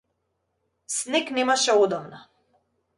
Снег немаше одамна.